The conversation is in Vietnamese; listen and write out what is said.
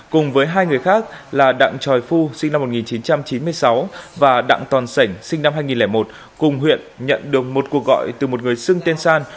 cùng với hai người khác là đặng tròi phu sinh năm một nghìn chín trăm chín mươi sáu và đặng toàn sảnh sinh năm hai nghìn một cùng huyện nhận được một cuộc gọi từ một người xưng tên san